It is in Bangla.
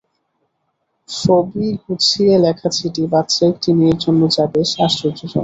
খুবই গুছিয়ে লেখা চিঠি, বাচ্চা একটি মেয়ের জন্যে যা বেশ আশ্চর্যজনক।